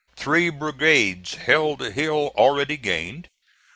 Three brigades held the hill already gained.